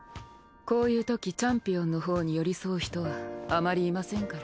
こういうときチャンピオンのほうに寄り添う人はあまりいませんから。